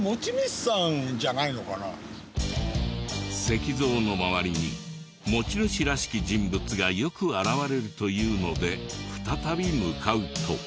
石像の周りに持ち主らしき人物がよく現れるというので再び向かうと。